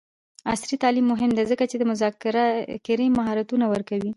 عصري تعلیم مهم دی ځکه چې د مذاکرې مهارتونه ورکوي.